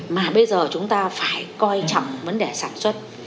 mà bây giờ chúng ta phải coi trọng vấn đề sản xuất